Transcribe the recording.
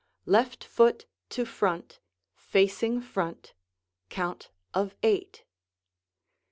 Left foot to front facing front, count of "eight."